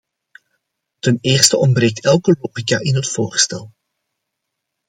Ten eerste ontbreekt elke logica in het voorstel.